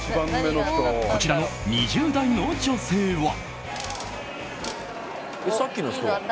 こちらの２０代の女性は。